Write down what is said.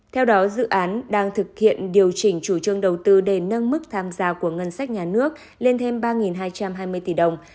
theo đó dự án đang thực hiện điều chỉnh chủ trương đầu tư để nâng mức tham gia của ngân sách nhà nước lên thêm ba hai trăm hai mươi tỷ đồng